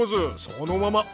そのまま。